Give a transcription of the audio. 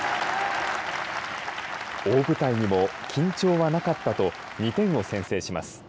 大舞台にも緊張はなかったと２点を先制します。